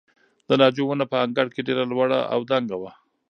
د ناجو ونه په انګړ کې ډېره لوړه او دنګه وه.